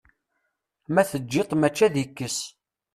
Ma teǧǧiḍ-t mačči ad d-ikkes.